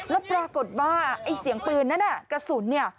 แล้วปรากฏว่าเสียงปืนนั้นกระสุน